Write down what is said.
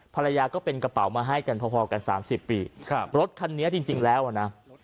ภรรยาก็เป็นกระเป๋ามาให้กันพอกัน๓๐ปีรถคันเนี้ยจริงแล้วนะ